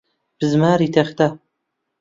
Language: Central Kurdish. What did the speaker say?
بزماری تەختە.